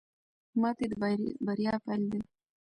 ماتې د بریا پیل دی.